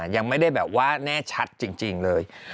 ยังไม่ได้แบบว่าแน่ชัดจริงเลย